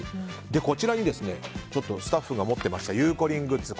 こちらにスタッフが持ってましたゆうこりんグッズ。